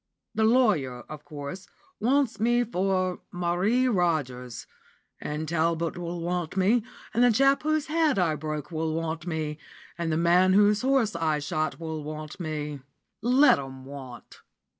The lawyer, of course, wants me for Marie Rogers; and Talbot will want me; and the chap whose head I broke will want me; and the man whose horse I shot will want me. Let 'em want!"